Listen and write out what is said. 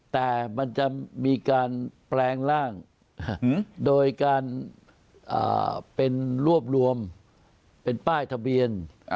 แต่มันจะมีการแปลงร่างโดยการเป็นรวบรวมเป็นป้ายทะเบียน